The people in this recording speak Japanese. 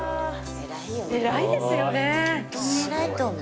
偉いですよね。